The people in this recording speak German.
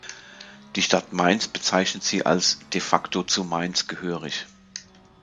Die Stadt Mainz bezeichnet sie als „de facto zu Mainz“ gehörig.